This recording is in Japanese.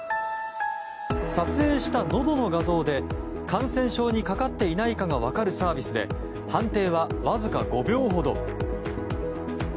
撮影した、のどの画像で感染症にかかっていないかが分かるサービスで判定は、わずか５秒ほど。